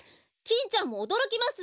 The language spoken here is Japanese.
キンちゃんもおどろきます！